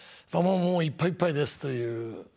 もういっぱいいっぱいですという。